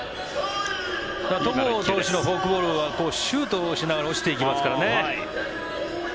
戸郷投手のフォークボールはシュートをしながら落ちていきますからね。